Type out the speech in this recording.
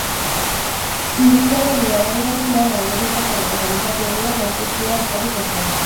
Irudiaren irabazleari lana geruzatan eta kalitate hobean aurkeztea eskatuko zaio.